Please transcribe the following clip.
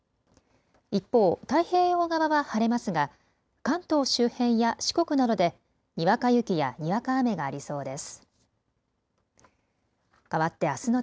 一方、太平洋側は晴れますが関東周辺や四国などでにわか雪やにわか雨がありそうです。